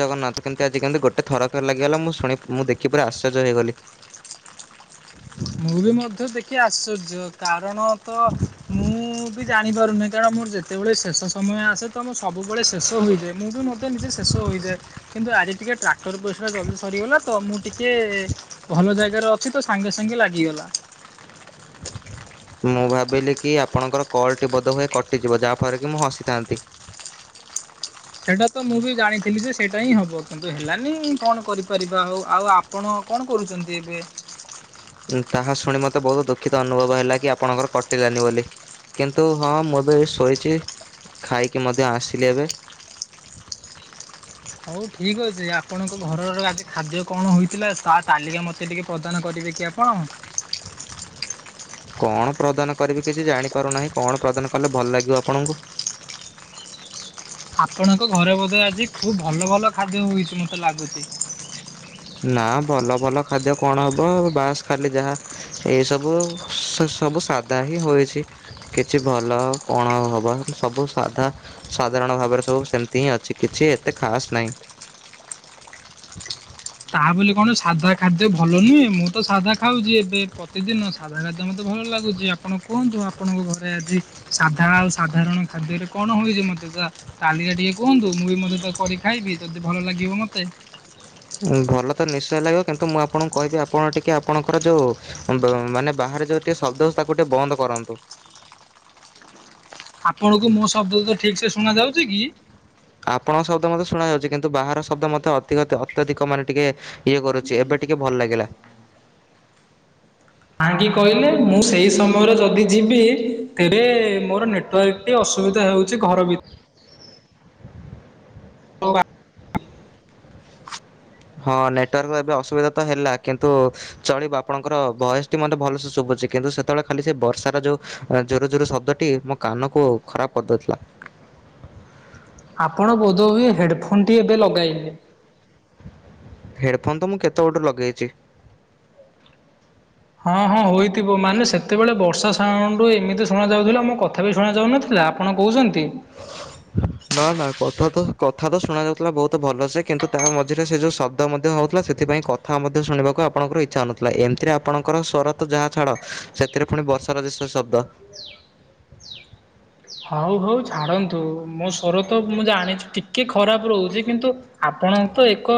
ଜଗନ୍ନାଥ କେମିତି ଆଜି କେମିତି ଗୋଟେ ଥରକରେ ଲାଗଗଲା ମୁଁ ଶୁଣି ମୁ ଦେଖି ପୁର ଆଶ୍ଚର୍ଯ୍ୟ ହେଇଗଲି। ମୁଁ ବି ମଧ୍ୟ ଦେଖି ଆଶ୍ଚର୍ଯ୍ୟ କାରଣ ତ ମୁଁ ବି ଜାଣିପାରୁନାହିଁ କାରଣ ମୋର ଯେତେବେଳେ ଶେଷ ସମୟ ଆସେ ତ, ମୁଁ ସବୁବେଳେ ଶେଷ ହୋଇଯାଏ। ମୁଁ ବି ମତେ ନିଜେ ଶେଷ ହୋଇଯାଏ। କିନ୍ତୁ ଆଜି ଟିକେ ଟ୍ରାକ୍ଟର ପଇସା ଜଲଦି ସରିଗଲା ତ ମୁଁ ଟିକେ ଭଲ ଜାଗାରେ ଅଛି ତ ସାଙ୍ଗେ ସାଙ୍ଗେ ଲାଗିଗଲା। ମୁଁ ଭାବିଲି କି ଆପଣଙ୍କର କଲ୍ ଟି ବୋଧହୁଏ କଟିଯିବ। ଯାହା ଫଳରେ କି ମୁଁ ହସିଥାନ୍ତି। ସେଇଟା ତ ମୁଁ ବି ଜାଣିଥିଲି ଯେ ସେଇଟା ହିଁ ହବ। କିନ୍ତୁ ହେଲାନି କଣ କରିପାରିବା ଆଉ? ଆଉ ଆପଣ କଣ କରୁଛନ୍ତି ଏବେ? ତାହା ଶୁଣି ମତେ ବହୁତ ଦୁଃଖିତ ଅନୁଭବ ହେଲା କି ଆପଣଙ୍କର କଟିଲାନି ବୋଲି। କିନ୍ତୁ ହଁ, ମୁଁ ବି ଏ ଶୋଇଛି ଖାଇକି ମଧ୍ୟ ଆସିଲି ଏବେ। ହଉ ଠିକ ଅଛି। ଆପଣଙ୍କ ଘରର ଆଜି ଖାଦ୍ୟ କଣ ହେଇଥିଲା? ତା ତାଲିକା ମତେ ମତେ ଟିକେ ପ୍ରଦାନ କରିବେ କି ଆପଣ? କଣ ପ୍ରଦାନ କରିବି କିଛି ଜାଣିପାରୁନାହିଁ? କଣ ପ୍ରଦାନ କଲେ ଭଲ ଲାଗିବ ଆପଣଙ୍କୁ? ଆପଣଙ୍କ ଘରେ ବୋଧେ ଆଜି ଖୁବ ଭଲ ଭଲ ଖାଦ୍ୟ ହଇଛି ମତେ ଲାଗୁଚି। ନା ଭଲ ଭଲ ଖାଦ୍ୟ କଣ ହବ ବାସ୍ ଖାଲି ଯାହା ଏଇ ସବୁ ସବୁ ସାଧା ହିଁ ହୋଇଛି। କିଛି ଭଲ ଆ କଣ ଆଉ ହବ? ସବୁ ସାଧା। ସାଧାରଣ ଭାବରେ ସବୁ ସେମିତି ହିଁ ଅଛି, କିଛି ଏତେ ଖାସ୍ ନାହିଁ। ତାହା ବୋଲି କଣ ସାଧା ଖାଦ୍ୟ ଭଲ ନୁହେଁ। ମୁଁ ତ ସାଧା ଖାଉଛି ଏବେ ପ୍ରତିଦିନ। ସାଧା ଖାଦ୍ୟ ମତେ ଭଲ ଲାଗୁଛି। ଆପଣ କୁହନ୍ତୁ ଆପଣଙ୍କ ଘରେ ଆଜି ସାଧା ଆଉ ସାଧାରଣ ଖାଦ୍ୟରେ କଣ ହୁଏ ମତେ ତ କାଲିକା ଟିକେ କୁହନ୍ତୁ। ମୁଁ ବି ମଧ୍ୟ ତାକୁ କରି ଖାଇବି ଯଦି ଭଲ ଲାଗିବ ମତେ। ଭଲ ତ ନିଶ୍ଚୟ ଲାଗିବ। କିନ୍ତୁ ମୁଁ ଆପଣଙ୍କୁ କହିବି ଆପଣ ଟିକେ ଆପଣଙ୍କର ଯୋଉଁ ମାନେ ବାହାରେ ଯୋଉ ଟିକେ ଶବ୍ଦ ହଉଛି ତାକୁ ଟିକେ ବନ୍ଦ କରନ୍ତୁ। ଆପଣଙ୍କୁ ମୋ ଶବ୍ଦ ଗୁଡାକ ଠିକ ସେ ଶୁଣା ଯାଉଛି କି? ଆପଣଙ୍କ ଶବ୍ଦ ମୋତେ ଶୁଣାଯାଉଛି କିନ୍ତୁ ବାହାର ଶବ୍ଦ ମତେ ଅତ୍ୟଧିକ ଅତ୍ୟଧିକ ମାନେ ଟିକେ ଇଏ କରୁଛି ଏବେ ଟିକେ ଭଲ ଲାଗିଲା। କାହିଙ୍କି କହିଲେ ମୁଁ ସେଇ ସମୟରେ ଯଦି ଯିବି ତେବେ ମୋର ନେଟୱାର୍କ ଟିକେ ଅସୁବିଧା ହଉଚି ଘର ଭି ହଁ ନେଟୱାର୍କ ର ଏବେ ଅସୁବିଧା ତ ହେଲା କିନ୍ତୁ ଚଳିବ ଆପଣଙ୍କର ବୟସଟି ମତେ ଭଲସେ ଶୁଭୁଚି କିନ୍ତୁ ସେତେବେଳେ ଖାଲି ସେ ବର୍ଷାର ଯୋଉଁ ଜୁରୁ ଜୁରୁ ଶବ୍ଦଟି ମୋ କାନକୁ ଖରାପ କରିଦେଉଥିଲା। ଆପଣ ବୋଧ ହୁଏ ହେଡ଼ଫୋନ ଟି ଏବେ ଲଗାଇଲେ? ହେଡଫୋନ୍ ତ ମୁଁ କେତେ ବେଳଠୁ ଲଗେଇଚି। ହଁ ହଁ ହୋଇଥିବ ମାନେ ସେତେବେଳେ ବର୍ଷା ସାଉଣ୍ଡ ଏମିତି ଶୁଣା ଯାଉଥିଲା ମୋ କଥା ବି ଶୁଣା ଯାଉନଥିଲା? ଆପଣ କହୁଛନ୍ତି? ନା ନା କଥା ତ କଥା ତ ଶୁଣା ଯାଉଥିଲା ବହୁତ ଭଲ ସେ କିନ୍ତୁ ତା ମଝିରେ ସେ ଯୋଉ ଶବ୍ଦ ମଧ୍ୟ ହଉଥିଲା ସେ ସେଥିପାଇଁ କଥା ମଧ୍ୟ ଶୁଣିବାକୁ ଆପଣଙ୍କର ଇଚ୍ଛା ହୋଉ ନଥିଲା ଏମିତିରେ ଆପଣଙ୍କର ସରତ ଯାହା ଛାଡସେ ଏଥିରେ ପୁଣି ବର୍ଷାର ଯେ ସେ ଶବ୍ଦ। ହଉ ହଉ ଛାଡନ୍ତୁ ମୋ ଶ୍ୱର ତ ମୁଁ ଜାଣିଛି ଟିକେ ଖରାପ ରହୁଚି କିନ୍ତୁ ଆପଣ ତ ଏକ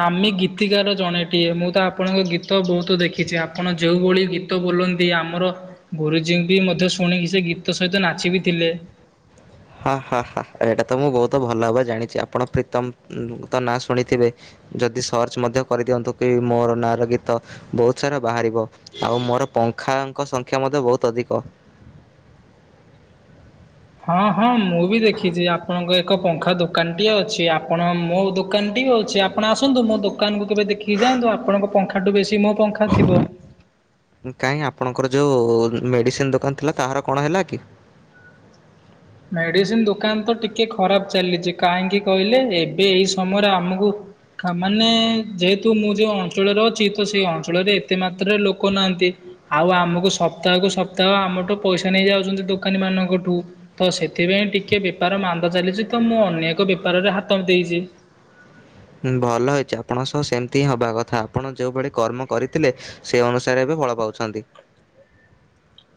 ନାମୀ ଗୀତିକାର ଜଣେଟିଏ ମୁଁ ତ ଆପଣଙ୍କ ଗୀ ଗୀତ ବହୁତ ଦେଖିଛି ଆପଣ ଯେଉଁଭଳି ଗୀତ ବୋଲନ୍ତି ଆମର ଗୁରୁଜୀଙ୍କି ବି ମଧ୍ୟ ଶୁଣିକି ସେ ଗୀତ ସହିତ ନାଚି ବିି ଥିଲେ। ହାଁ ହାଁ ହାଁ ଏଇଟା ତ ମୁଁ ବହୁତ ଭଲ ଭାବରେ ଜାଣିଚି ଆପଣ ପ୍ରୀତମ ତ ନାଁ ଶୁଣିଥିବେ? ଯଦି ସର୍ଚ୍ଚ ମଧ୍ୟ କରିଦିଅନ୍ତୁ କି ମୋର ନାଁ ର ଗୀତ। ବହୁତ ସାରା ବାହାରିବ ଆଉ ମୋର ପଙ୍ଖାଙ୍କ ସଂଖ୍ୟା ମଧ୍ୟ ବହୁତ ଅଧିକ। ହଁ ହଁ ମୁଁ ବି ଦେଖିଚି ଆପଣଙ୍କ ଏକ ପଙ୍ଖା ଦୋକାନଟିଏ ଅଛି ଆପଣ ମୋ ଦୋକାନଟି ହୋଉଚି ଆପଣ ଆସନ୍ତୁ ମୋ ଦୋକାନକୁୁ କେବେ ଦେଖିକି ଯାଆନ୍ତୁ ଆପଣଙ୍କ ପଙ୍ଖାଠୁ ବେଶୀ ମୋ ପଙ୍ଖା ଥିବ। କାହିଁ ଆପଣଙ୍କର ଯୋଉ ମେଡିସିନ ଦୋକାନ ଥିଲା ତାହାର କଣ ହେଲା କି? ମେଡିସିନ ଦୋକାନ ତ ଟିକେ ଖରାପ ଚାଲିଚି କାହିଁକି କହିଲେ ଏବେ ଏଇ ସମୟରେ ଆମକୁ ମାନେ ଯେହେତୁ ମୁଁ ଯୋଉ ଅଞ୍ଚଳରେ ଅଛି ତ ସେ ଅଞ୍ଚଳରେ ଏତେ ମାତ୍ରାରେ ଲୋକ ନାହାନ୍ତି। ଆଉ ଆମକୁ ସପ୍ତାହକୁୁ ସପ୍ତାହ ଆମଠୁ ପଇସା ନେଇଯାଉଛନ୍ତି ଦୋକାନୀ ମାନଙ୍କଠୁ। ତ ସେଥିପାଇଁ ଟିକିଏ ବେପାର ମାନ୍ଦା ଚାଲିଚି ତ ମୁଁ ଅନ୍ୟ ଏକ ବେପାରରେ ହାତ ଦେଇଚି ଭଲ ହୋଇଚି ଆପଣଙ୍କ ସହ ସେମିତି ହିଁ ହେବା କଥା ଆପଣ ଯେଉଁଭଳି କର୍ମ କରିଥିଲେ ସେଇ ଅନୁସାରେ ଏବେ ଫଳ ପାଉଛନ୍ତି।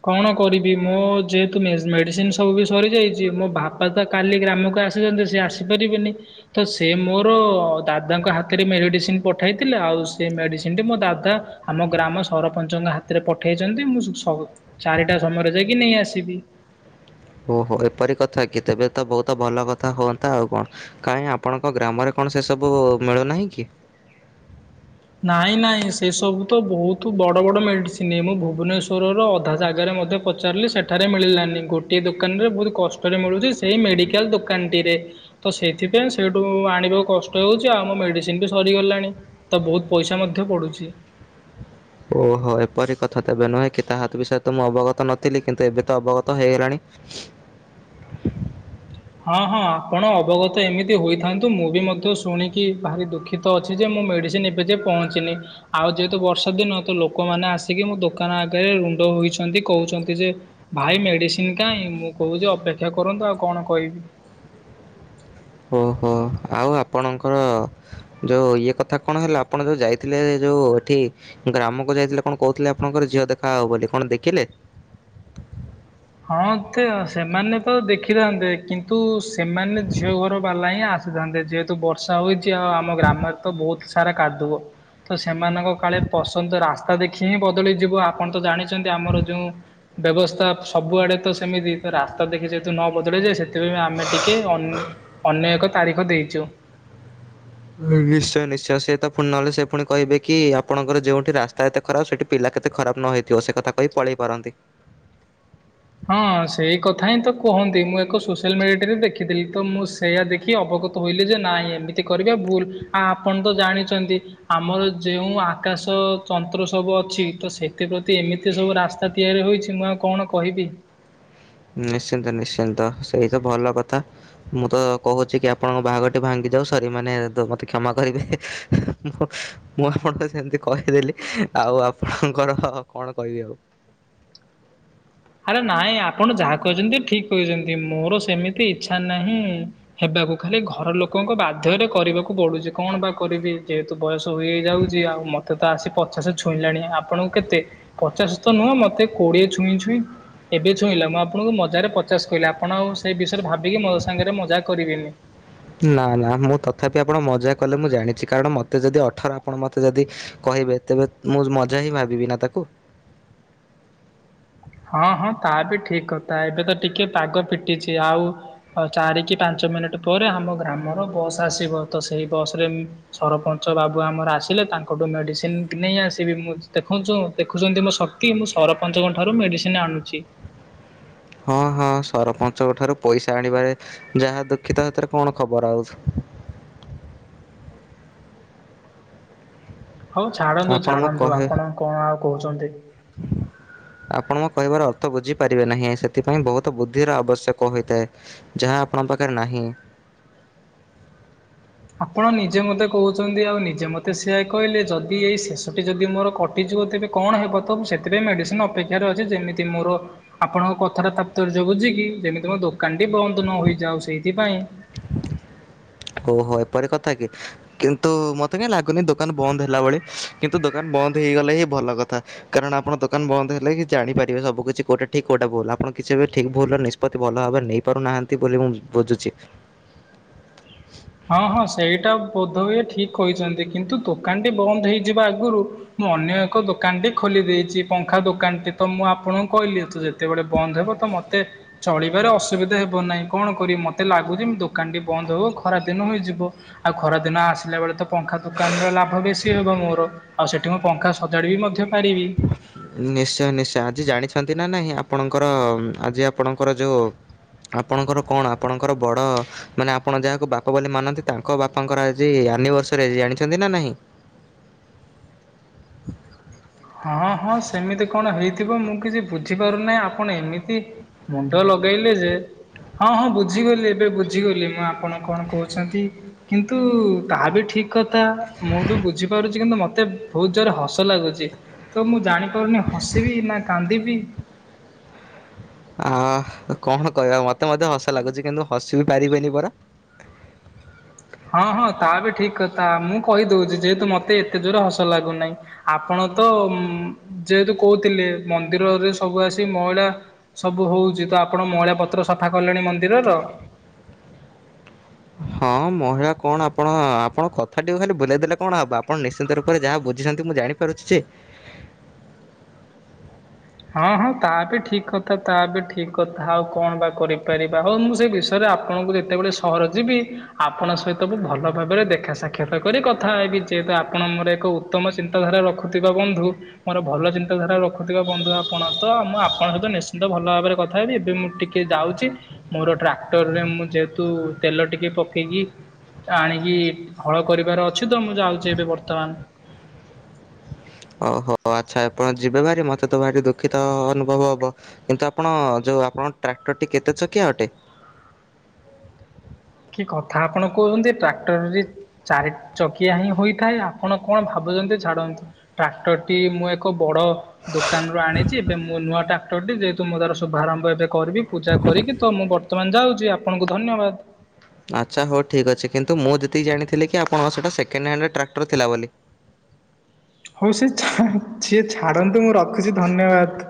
କଣ କରିବି ମୋ ଯେହେତୁ ମେଡ଼ିସିନ ସବୁ ବି ସରିଯାଇଚି ମୋ ବାପା ତା କାଲି ଗ୍ରାମକୁ ଆସିଚନ୍ତି ସେ ଆସିପାରିବେନି। କିନ୍ତୁ ସେ ମୋର ଦାଦାଙ୍କ ହାତରେ ମେଡିସିନ ପଠାଇଥିଲା ଆଉ ସେ ମେଡିସିନ ଟି ମୋ ଦାଦା ଆମ ଗ୍ରାମ ସରପଞ୍ଚଙ୍କ ହାତରେ ପଠେଇଚନ୍ତି ମୁଁ ସବୁ ଚାରିଟା ସମୟରେ ଯାଇକି ନେଇ ଆସିବି। ଓହୋ ଏପରି କଥା କି ତେବେ ତ ବହୁତ ଭଲ କଥା ହୁଅନ୍ତା ଆଉ କଣ। କାଇଁ ଆପଣଙ୍କ ଗ୍ରାମରେ କଣ ସେ ସବୁ ମିଳୁନାହିଁ କି? ନାଇଁ ନାଇଁ ସେସବୁ ତ ବହୁତ ବଡ଼ ବଡ଼ ମେଡ଼ିସିନ ମୁଁ ଭୁବନେଶ୍ୱରର ଅଧା ଜାଗାରେ ମଧ୍ୟ ପଚାରିଲି ସେଠାରେ ମିଳିଲାନି ଗୋଟିଏ ଦୋକାନରେ ବହୁତ କଷ୍ଟରେ ମିଳୁଚି ସେଇ ମେଡ଼ିକାଲ ଦୋକାନଟିରେ। ତ ସେଥିପାଇଁ ସେଇଠୁ ଆଣିବାକୁ କଷ୍ଟ ହେଉଚି ଆଉ ମୋ ମେଡ଼ିସିନ ବି ସରିଗଲାଣି। ତ ବହୁତ ପଇସା ମଧ୍ୟ ପଡ଼ୁଛି। ଓହୋ ଏପରି କଥା ତେବେ ନୁହେଁ କି ତାହାତ ବିଷୟରେ ତ ମୁଁ ଅବଗତ ନଥିଲି କିନ୍ତୁ ଏବେ ତ ଅବଗତ ହେଇଗଲାଣି। ହଁ [unintelligible] ହଁ ହଁ ଆପଣ ଅବଗତ ଏମିତି ହୋଇଥାନ୍ତୁ ମୁଁ ବି ମଧ୍ୟ ଶୁଣିକି ଭାରି ଦୁଃଖୀ ଦୁଃଖିତ ଅଛି ଯେ ମୋ ମେଡ଼ିସିନ୍ ଏବେ ଯାଏଁ ପହଞ୍ଚିନି। ଆଉ ଯେହେତୁ ବର୍ଷା ଦିନ ତ ଲୋକମାନେ ଆସିକି ମୋ ଦୋକାନ ଆଗରେ ରୁଣ୍ଡ ହୋଇଛନ୍ତି କହୁଛନ୍ତି ଯେ ଭାଇ ମେଡିସିନ କାହିଁ ମୁଁ କହୁଛି ଅପେକ୍ଷା କରନ୍ତୁ ଆଉ କଣ କହିବି। ଓହୋ ଆଉ ଆପଣଙ୍କର ଯୋଉ ଇଏ କଥା କଣ ହେଲା ଆପଣ ଯୋଉ ଯାଇଥିଲେ ଯୋଉ ଏଠି ଗ୍ରାମକୁ ଯାଇଥିଲେ କଣ କହୁଥିଲେ ଆପଣଙ୍କର ଝିଅ ଦେଖାହବ ବୋଲି କଣ ଦେଖିଲେ? ହଁ ତେ ସେମାନେ ତ ଦେଖିଥାନ୍ତେ କିନ୍ତୁ ସେମାନେ ଝିଅ ଘର ବାଲା ହିଁ ଆ ଆସିଥାନ୍ତେ ଯେହେତୁ ବର୍ଷା ହୋଇଛି ଅ ଆଉ ଆମ ଗ୍ରାମରେ ତ ବହୁତୁ ସାରା କାଦୁଅ। ତ ସେମାନଙ୍କ କାଳେ ପସନ୍ଦ ରାସ୍ତା ଦେଖି ହିଁ ବଦଳିଯିବ ଆପଣ ତ ଜାଣିଛନ୍ତି ଆମର ଯୋଉ ବ୍ୟବସ୍ଥା ସବୁଆଡେ ତ ସେମିତି ତ ରାସ୍ତା ଦେଖି ଯେହେତୁ ନ ବଦଳିଯାଏ ସେ ତେବେ ଆମେ ଟିକେ ଅନ ଅନ୍ଯ ଏକ ତାରିଖ ଦେଇଚୁ। ନିଶ୍ଚୟ ନିଶ୍ଚୟ ସେ ତ ପୁଣି ନହେଲେ ସେ ପୁଣି କହିବେ କି ଆପଣଙ୍କର ଯେଉଁଠି ରାସ୍ତା ଏତେ ଖରାପ ସେଠି ପିଲା କେତେ ଖରାପ ନ ହୋଇଥିବ ସେ କଥା କହି ପଳେଇ ପାରନ୍ତି। ହଁ ସେଇ କଥା ହିଁ ତ କୁହନ୍ତି ମୁଁ ଏକ ସୋସିଆଲ ମିଡିଆଟି ରେ ଦେଖିଥିଲି ତ ମୁଁ ସେଇୟା ଦେ ଦେଖିକି ଅବଗତ ହୋଇଲି ଯେ ନାଇଁ ଏମିତି କରିବା ଭୁଲୁ ଆ ଆପଣ ତ ଜାଣିଛନ୍ତି ଆମର ଯେଉଁ ଆକାଶ ତନ୍ତ୍ର ସବୁ ଅଛି ତ ସେଥିପ୍ରତି ଏମିତି ସବୁ ରାସ୍ତା ତିଆରି ହୋଇଛି ମୁଁ ଆଉ କଣ କହିବି। ନିଶ୍ଚିନ୍ତ ନିଶ୍ଚିନ୍ତ ସେଇ ତ ଭଲ କଥା। ମୁଁ ତ କହୁଚି କି ଆପଣଙ୍କ ବାହାଘଟି ଭାଙ୍ଗି ଯାଉ ସରି ମାନେ ମତେ କ୍ଷମା କରିବେ ମୁଁ ମୁଁ ଆପଣଙ୍କୁ ସେମିତି କହିଦେଲି ଆଉ ଆପଣଙ୍କର କଣ କହିବି ଆଉ। ଆରେ ନାଇଁ ଆପଣ ଯାହା କହିଚନ୍ତି ଠିକ୍ କହିଚନ୍ତି ମୋର ସେମିତି ଇଚ୍ଛା ନାହିଁ। ହେବାକୁ ଖାଲି ଘର ଲୋକଙ୍କ ବାଧ୍ୟରେ କରିବାକୁ ପଡୁଚି କଣ ବା କରିବି ଯେହେ ତୁ ବୟସ ହୋଇଯାଉଚି ଆଉ ମତେ ତ ଆସି ପଚାଶ ଛୁଇଁଲାଣି ଆପଣଙ୍କୁ କେତେ? ପଚାଶ ତ ନୁହଁ ମତେ କୋଡିଏ ଛୁଇଁ ଛୁଇଁ ଏବେ ଛୁଇଁଲା ମୁଁ ଆପଣଙ୍କୁ ମଜାରେ ପଚାଶ କହିଲି ଆପଣ ଆଉ ସେଇ ବିଷୟରେ ଭାବିକି ମୋ ସାଙ୍ଗରେ ମଜାକ୍ କରିବେନି। ନା ନା ମୁଁ ତଥାପି ଆପଣ ମଜା କଲେ ମୁଁ ଜାଣିଛି କାରଣ ମୋତେ ଯଦି ଅଠର ଆପଣ ମୋତେ ଯଦି କହିବେ ତେବେ ମୁଁ ମଜା ହିଁ ଭାବିବି ନା ତାକୁ। ହଁ ହଁ ତା ବି ଠିକି କଥା ଏବେ ତ ଟିକେ ପାଗ ଫିଟିଚି ଆଉ ଆଉ ଚାରିିକି ପାଞ୍ଚ ମିନିଟ୍ ପରେ ଆମ ଗ୍ରାମର ବସ୍ ଆସିବ ତ ସେଇ ବସରେ ସରପଞ୍ଚ ବାବୁ ଆମର ଆସିଲେ ତାଙ୍କଠୁ ମେଡିସିନ ନେଇ ଆସିବି ମୁଁ ଦେଖୁଞ୍ଚୁ। ଦେଖୁଛନ୍ତି ମୋ ଶକ୍ତି ମୁଁ ସରପଞ୍ଚଙ୍କ ଠାରୁ ମେଡିସିନ ଆଣୁଛି। ହଁ ହଁ ସରପଞ୍ଚଙ୍କ ଠାରୁ ପଇସା ଆଣିବାରେ ଯାହା ଦୁଃଖିତ ସେଥିରେ କଣ ଖବର ଆଉ? ହଉ ଛାଡନ୍ତୁ ଆପଣ ମୁଁ ଛାଡ଼ନ୍ତୁ କହେ ଆପଣ କଣ ଆଉ କହୁଚନ୍ତି? ଆପଣ ମୋ କହିବାର ଅର୍ଥ ବୁଝିପାରିବେ ନାହିଁ ସେଥିପାଇଁ ବହୁତୁ ବୁଦ୍ଧିର ଆବଶ୍ୟକ ହୋଇଥାଏ। ଯାହା ଆପଣଙ୍କ ପାଖରେ ନାହିଁ। ଆପଣ ନିଜେ ମୋତେ କହୁଛନ୍ତି ଆଉ ନିଜେ ମୋତେ ସେଆ କହିଲେ ଯଦି ଏଇ ଶେଷଟି ଯଦି ମୋର ଟି ଯିବ ତେବେ କଣ ହେବ ତ ସେଥିପାଇଁ ମେଡିସିନ ଅପେକ୍ଷାରେ ଅଛି ଯେମିତି ମୋର ଆପଣଙ୍କ କଥାଟା ତାପତର୍ଯ୍ୟ ବୁଝିକି ଯେମିତି ମୋ ଦୋକାନ ଟି ବନ୍ଦ ନହୋଇଯାଉ ସେଇଥିପାଇଁ ଓହୋ ଏପରି କଥା କି? କିନ୍ତୁ ମୋତେ କାହିଁ ଲାଗୁନି ଦୋକାନ ବନ୍ଦ ହେଲା ଭଳି କିନ୍ତୁ ଦୋକାନ ବନ୍ଦ ହେଇଗଲେ ହିଁ ଭଲ କଥା। କାରଣ ଆପଣ ଦୋକାନ ବନ୍ଦ ହେଲେ କି ଜାଣିପାରିବେ ସବୁ କିଛି କୋଉଟା ଠିକି କୋଉଟା ଭୁଲୁ ଆପଣ କିଛି ଏବେ ଠିକି ଭୁଲୁ ନି ସ୍ପତ୍ତି ଭଲ ଭାବରେ ନେଇ ପାରୁନାହାନ୍ତି ବୋଲି ମୁଁ ବୁଝୁଚି। ହଁ ହଁ ସେଇଟା ବୋଧ ହୁଏ ଠିକ୍ କହିଛନ୍ତି କିନ୍ତୁ ଦୋକାନଟି ବନ୍ଦ ହେଇଯିବା ଆଗରୁ ମୁଁ ଅନ୍ୟ ଏକ ଦୋକାନ ଟି ଖୋଲି ଦେଇଚି ପଙ୍ଖା ଦୋକାନ ଟି ତ ମୁଁ ଆପଣଙ୍କୁ କହିଲି ଏ ତ ଯେ କେତେବେଳେ ବନ୍ଦ ହେବ ତ ମତେ ଚଳିବାରେ ଅସୁବିଧା ହେବ ନାହିଁ କଣ କରିବି ମତେ ଲାଗୁଚି ଦୋକାନ ଟି ବନ୍ଦ ହଉ ଖରାଦିନ ହୋଇଯିବ ଆଉ ଖରାଦିନ ଆସିଲା ବେଳେ ତ ପଙ୍ଖା ଦୋକାନର ଲାଭ ବେଶୀ ହେବ ମୋର। ଆଉ ସେଠି ମୁଁ ପଙ୍ଖା ସଜାଡ଼ିବି ମଧ୍ୟ ପାରିବି। ନିଶ୍ଚୟ ନିଶ୍ଚୟ ଆଜି ଜାଣିଛନ୍ତି ନା ନାହିଁ ଆପଣଙ୍କର ଆଜି ଆପଣଙ୍କର ଯୋଉ ଆପଣଙ୍କର କଣ ଆପଣଙ୍କର ବଡ଼ ମାନେ ଆପଣ ଯାହାକୁ ବାପା ବୋଲି ମାନନ୍ତି ତାଙ୍କ ବାପାଙ୍କର ଆଜି ଆନିଭର୍ସରୀ ଆଜି ଜାଣିଛନ୍ତି ନା ନାହିଁ। ହଁ ହଁ ସେମିତି କଣ ହେଇ ଥିବ ମୁଁ କିଛି ବୁଝିପାରୁନାହିଁ। ଆପଣ ଏମିତି ମୁଣ୍ଡ ଲଗେଇଲେ ଯେ ହଁ ହଁ ବୁଝିଗଲି ଏବେ ବୁଝିଗଲି ମୁଁ ଆପଣ କଣ କହୁଛନ୍ତି। କିନ୍ତୁ ତାହା ବି ଠିକ କଥା ମୁଁ ବି ବୁଝିପାରୁଛି କିନ୍ତୁ ମତେ ବହୁତ ଜୋର୍ ରେ ହସ ଲାଗୁଛି। ତ ମୁଁ ଜାଣିପାରୁନି ହସିବି ନା କାନ୍ଦିବି। ଆ କଣ କହିବା ମତେ ମତେ ହସ ଲାଗୁଛି କିନ୍ତୁ ହସ ବି ପାରିବେନି ପରା ହଁ ହଁ ତା ବି ଠିକ କଥା ମୁଁ କହିଦଉଛି। ଯେହେତୁ ମତେ ଏତେ ଜୋର ହସ ଲାଗୁନାହିଁ। ଆପଣ ତ ଉ ଯେହେତୁ କହୁଥିଲେ। ମନ୍ଦିରରେ ସବୁ ଆସି ମଇଳା ସବୁ ହଉଛି ତ ଆପଣ ମଇଳା ପତ୍ର ସଫା କଲେଣି ମନ୍ଦିରର। ହଁ ମହିଳା କଣ ଆପଣ ଆପଣ କଥାଟିକୁ ଖାଲି ବୁଲେଇ ଦେଲେ କଣ ହବ। ଆପଣ ନିଶ୍ଚିନ୍ତ ରୂପରେ ଯାହା ବୁଝିଛନ୍ତି ମୁଁ ଜାଣି ପାରୁଛି ଯେ। ହଁ ହଁ ତା ବି ଠିକ କଥା ତା ବି ଠିକ କଥା ଆଉ କଣ ବା କରିପାରିବା। ହଉ ମୁଁ ସେଇ ବିଷୟରେ ସାରେ ଆପଣଙ୍କୁ ଯେତେବେଳେ ସହର ଯିବି। ଆପଣଙ୍କ ସହିତ ମୁଁ ଭଲ ଭାବରେ ଦେଖା ସାକ୍ଷତ କ୍ଷାତ କରି କଥା ହେବି। ଯେହେତୁ ଆପଣ ମୋର ଏକ ଉତ୍ତମ ଚିନ୍ତାଧାରା ରଖୁଥିବା ବନ୍ଧୁ ମୋର ଭଲ ଚିନ୍ତାଧାରା ରଖଥିବା ବନ୍ଧୁ ଆ ପଣ ତ ମୁଁ ଆପଣଙ୍କ ସହିତ ନିଶ୍ଚିନ୍ତ ଭଲ ଭାବରେ କଥା ହେବି। ଏବେ ମୁଁ ଟିକେ ଯାଉଛି ମୋର ଟ୍ରାକ୍ଟରରେ ମୁଁ ଯେହେତୁ ତେଲ ଟିକେ ପକେଇକି ଆଣିକି ହଳ କରିବାର ଅଛି ତ। ମୁଁ ଯାଉଛି ଏବେ ବର୍ତ୍ତମାନ। ଓହୋ ଆଚ୍ଛା ଆପଣ ଯିବେ ଭାରି ମତେ ତ ଭାରି ଦୁଃଖିତ ଅନୁଭବ ହବ। କିନ୍ତୁ ଆପଣ ଯୋଉ ଆପଣଙ୍କ ଟ୍ରାକ୍ଟରଟି କେତେ ଚକିଆ ଅଟେ? କି କଥା ଆପଣ କହୁଛନ୍ତି ଟ୍ରାକ୍ଟରରେ ଚାରି ଚକିଆ ହିଁ ହୋଇଥାଏ। ଆପଣ କଣ ଭାବୁଛନ୍ତି ଛାଡ଼ନ୍ତୁ ଟ୍ରାକ୍ଟର ଟି ମୁଁ ଏକ ବଡ ଦୋକାନରୁ ଆଣିଛି ଏବେ ମୁଁ ନୂଆ ଟ୍ରାକ୍ଟର ଟି ଯେହେତୁ ମୁଁ ତାର ଶୁଭାରମ୍ଭ ଏବେ କରିବି ପୂଜା କରିକି ତ ମୁଁ ବର୍ତ୍ତମାନ ଯାଉଛି ଆପଣଙ୍କୁ ଧନ୍ୟବାଦ। ଆଚ୍ଛା ହଉ ଠିକ୍ ଅଛି। କିନ୍ତୁ ମୁଁ ଯେତିକି ଜାଣିଥିଲି କି ଆପଣଙ୍କ ସେଟା ସେକେଣ୍ଡ ହ୍ୟାଣ୍ଡ ଟ୍ରାକ୍ଟର ଥିଲା ବୋଲି। ହଉ ସିଏ ସିଏ ଚ୍ଛା ଛାଡ଼ନ୍ତୁ ମୁଁ ରଖୁଛି ଧନ୍ୟବାଦ।